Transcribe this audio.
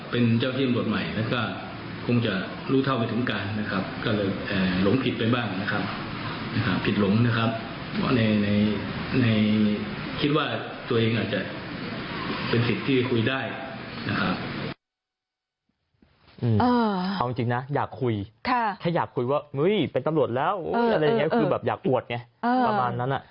ประมาณนั้น